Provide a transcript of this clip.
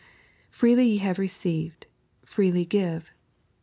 "Freely ye have received, freely give."